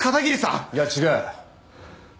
いや違う。